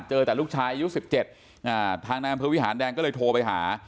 เจอแต่ลูกชายอายุสิบเจ็ดอ่าทางนางเภอวิหารแดงก็เลยโทรไปหา